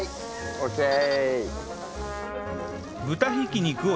オーケー。